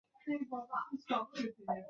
念了三年高中白白浪费